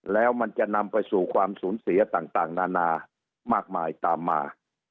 แล้วมันจะนำไปสู่ความสูญเสียต่างนานามากมายตามมา